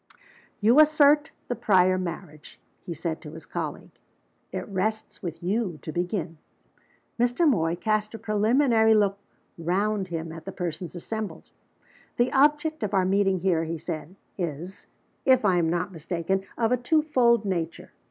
"You assert the prior marriage," he said to his colleague. "It rests with you to begin." Mr. Moy cast a preliminary look round him at the persons assembled. "The object of our meeting here," he said, "is, if I am not mistaken, of a twofold nature.